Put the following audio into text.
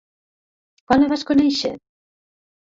Quan la vas conèixer?